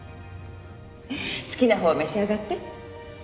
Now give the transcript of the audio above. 好きな方を召し上がって。